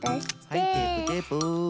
はいテープテープ。